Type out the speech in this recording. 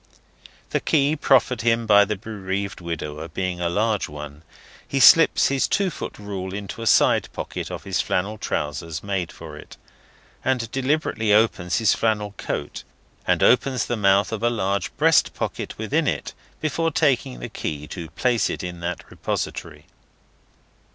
The key proffered him by the bereaved widower being a large one, he slips his two foot rule into a side pocket of his flannel trousers made for it, and deliberately opens his flannel coat, and opens the mouth of a large breast pocket within it before taking the key to place it in that repository.